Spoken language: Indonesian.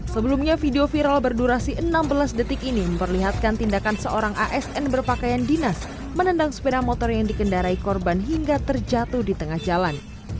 sebelumnya video viral berdurasi enam belas detik ini memperlihatkan tindakan seorang asn berpakaian dinas menendang sepeda motor yang dikendarai korban hingga terjatuh di tengah jalan